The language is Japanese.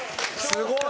すごい！